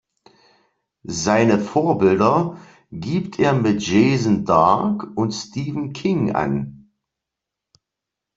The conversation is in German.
Seine Vorbilder gibt er mit Jason Dark und Stephen King an.